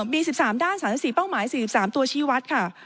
มี๑๓ด้าน๓๔เป้าหมาย๔๓ตัวชี้วัดค่ะ